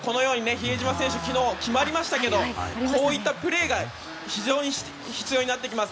比江島選手は昨日決まりましたけどこういったプレーが非常に必要になってきます。